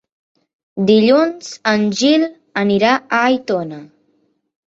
Dilluns en Gil anirà a Aitona.